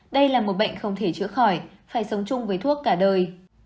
đây là một bệnh không thể chữa khỏi phải sống chung với thuốc cả đời